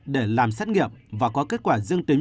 để làm xét nghiệm và có kết quả dương tính